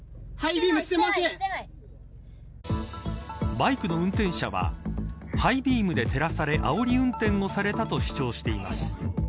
バイクの運転者はハイビームで照らされあおり運転をされたと主張しています。